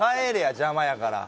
邪魔やから。